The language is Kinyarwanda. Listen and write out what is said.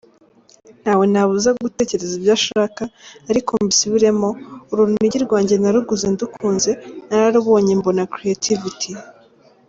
Ntawe nabuza gutekereza ibyo ashaka, ariko mbisubiremo, urunigi rwanjye naruguze ndukunze, nararubonye mbona creativity.